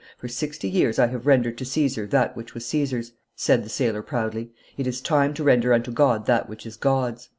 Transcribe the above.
"For sixty years I have rendered to Caesar that which was Caesar's," said the sailor proudly; "it is time to render unto God that which is God's."